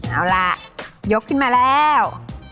เอาล่ะยกขึ้นมาแล้ว